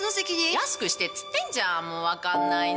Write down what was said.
安くしてって言ってんじゃん、分かんないな。